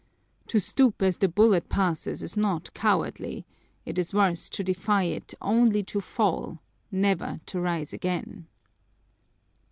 To stoop as the bullet passes is not cowardly it is worse to defy it only to fall, never to rise again."